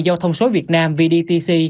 giao thông số việt nam vdtc